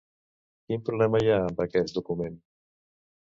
Quin problema hi ha amb aquest document?